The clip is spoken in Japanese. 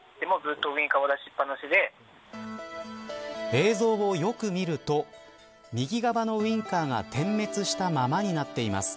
映像をよく見ると右側のウインカーが点滅したままになっています。